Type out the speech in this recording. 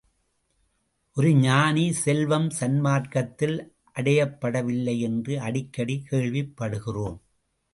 ஒரு ஞானி செல்வம் சன்மார்க்கத்தில் அடையப்படவில்லை என்று அடிக்கடி கேள்விப் படுகிறோம்.